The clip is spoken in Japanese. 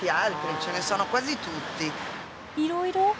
いろいろ？